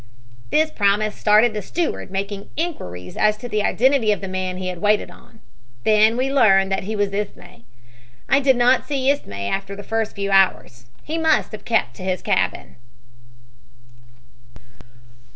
"This promise started the steward making inquiries as to the identity of the man he had waited on. Then we learned that he was Ismay. I did not see Ismay after the first few hours. He must have kept to his cabin."